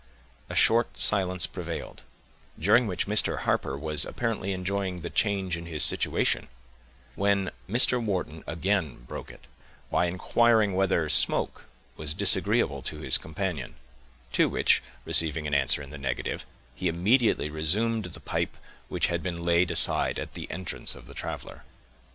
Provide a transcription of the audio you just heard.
A short silence prevailed, during which Mr. Harper was apparently enjoying the change in his situation, when Mr. Wharton again broke it, by inquiring whether smoke was disagreeable to his companion; to which, receiving an answer in the negative, he immediately resumed the pipe which had been laid aside at the entrance of the traveler.